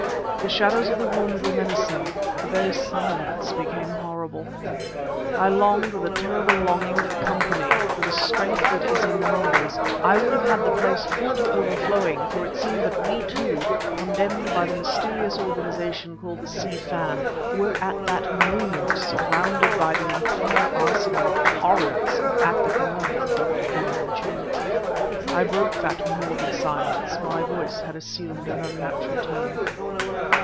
The shadows of the room grew menacing; the very silence became horrible. I longed with a terrible longing for company, for the strength that is in numbers; I would have had the place full to overflowing for it seemed that we two, condemned by the mysterious organization called the Si Fan, were at that moment surrounded by the entire arsenal of horrors at the command of Dr. Fu Manchu. I broke that morbid silence. My voice had assumed an unnatural tone.